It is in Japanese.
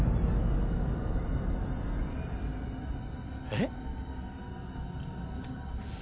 えっ？